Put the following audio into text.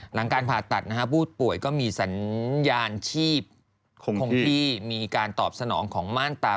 หลังการผ่าตัดนะฮะผู้ป่วยก็มีสัญญาณชีพคงที่มีการตอบสนองของม่านตา